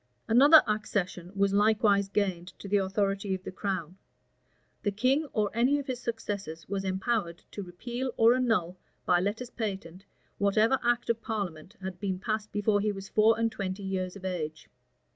Another accession was likewise gained to the authority of the crown; the king or any of his successors was empowered to repeal or annul, by letters patent, whatever act of parliament had been passed before he was four and twenty years of age.